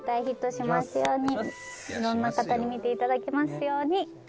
「いろんな方に見ていただけますように」